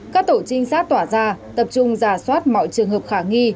các tổ trinh sát tỏa ra tập trung giả soát mọi trường hợp khả nghi